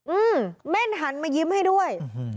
อืมแม่นหันมายิ้มให้ด้วย